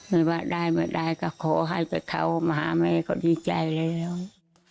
ไม่ว่าได้ไม่ได้ก็ขอให้กับเค้ามาหาแม่ก็ดีใจเลย